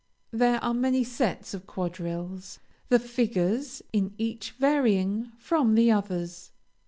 There are many sets of quadrilles, the figures in each varying from the others.